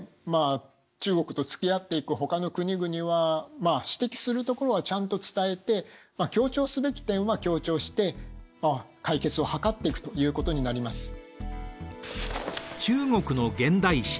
まあ中国とつきあっていくほかの国々は指摘するところはちゃんと伝えて協調すべき点は協調して解決を図っていくということになります。